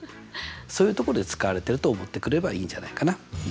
そういうところで使われてると思ってくれればいいんじゃないかな。